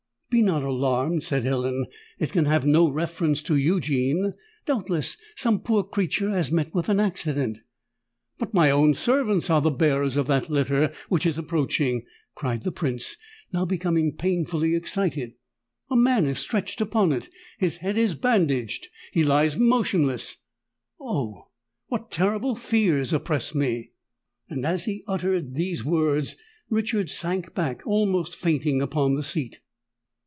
"Be not alarmed," said Ellen: "it can have no reference to Eugene. Doubtless some poor creature has met with an accident——" "But my own servants are the bearers of that litter which is approaching!" cried the Prince, now becoming painfully excited. "A man is stretched upon it—his head is bandaged—he lies motionless—Oh! what terrible fears oppress me!" And as he uttered these words, Richard sank back almost fainting upon the seat.